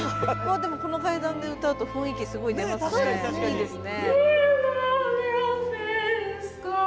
でもこの階段で歌うと雰囲気すごい出ますね。